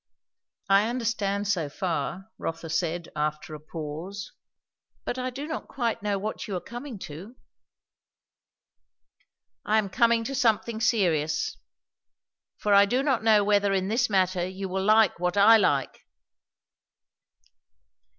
"I understand so far," Rotha said after a pause; "but I do not quite know what you are coming to." "I am coming to something serious; for I do not know whether in this matter you will like what I like."